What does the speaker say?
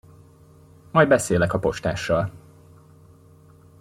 Majd beszélek a postással.